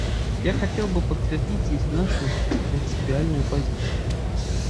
Я хотел бы подтвердить здесь нашу принципиальную позицию.